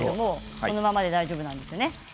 このままで大丈夫なんですね。